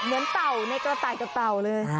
เหมือนเต่าในกระต่ายกับเต่าเลย